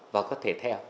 và có thể theo